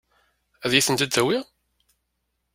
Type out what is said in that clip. Ad iyi-ten-id-tawi?